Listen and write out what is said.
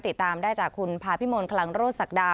ติดตามได้จากคุณภาพิมลคลังโรศักดา